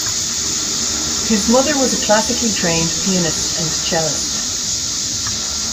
His mother was a classically trained pianist and cellist.